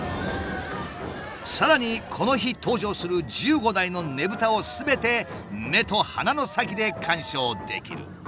さらにこの日登場する１５台のねぶたをすべて目と鼻の先で鑑賞できる。